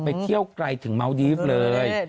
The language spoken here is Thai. ไปเที่ยวไกลถึงเมาดีฟเลย